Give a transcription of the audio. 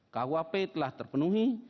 kwp telah terpenuhi